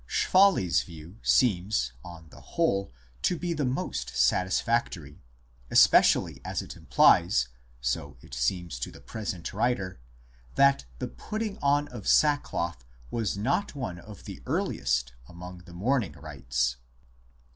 Schwally s view (see above, the first view mentioned) seems, on the whole, to be the most satisfactory, especially as it implies (so it seems to the present writer) that the putting on of sackcloth was not one of the earliest among the mourning rites.